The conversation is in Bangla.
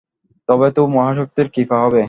তবে তো মহাশক্তির কৃপা হবে।